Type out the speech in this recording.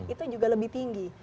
itu juga lebih tinggi